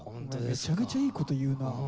めちゃめちゃいい事言うなあ。